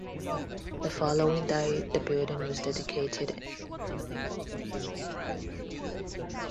The following day the building was dedicated and Jamaica Hospital formally opened.